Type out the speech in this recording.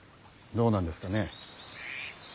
どうなんですかね。